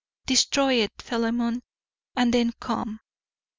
Destroy it, Philemon, and then COME.